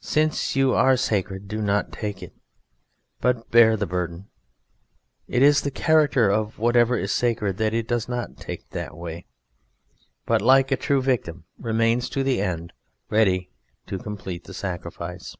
Since you are sacred do not take it, but bear the burden. It is the character of whatever is sacred that it does not take that way; but, like a true victim, remains to the end, ready to complete the sacrifice.